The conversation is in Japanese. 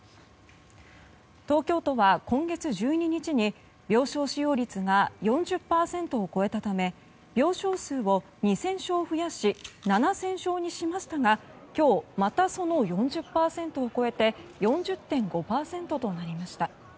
東京都は、今月１２日に病床使用率が４０％を超えたため病床数を２０００床増やし７０００床にしましたが今日、またその４０％を超えて４０．５％となりました。